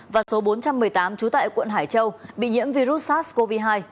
và số bốn trăm một mươi tám trú tại quận hải châu bị nhiễm virus sars cov hai